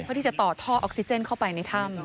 เพื่อที่จะต่อท่อออกซิเจนเข้าไปในถ้ำ